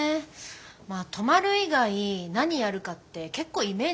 まあ泊まる以外何やるかって結構イメージバラバラだよね。